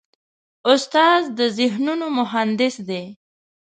استاد د ذهنونو مهندس دی.